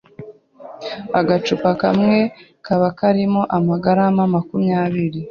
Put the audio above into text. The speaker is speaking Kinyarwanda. Agacupa kamwe kaba karimo amagarama makumyabiri